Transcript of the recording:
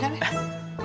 nggak usah nanya